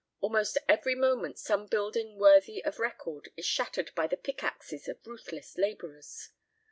Almost every moment some building worthy of record is shattered by the pickaxes of ruthless labourers.